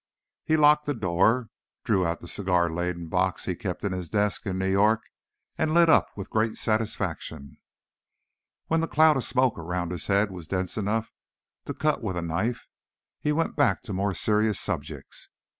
He locked the door, drew out the cigar laden box he kept in his desk in New York, and lit up with great satisfaction. When the cloud of smoke around his head was dense enough to cut with a knife, he went back to more serious subjects.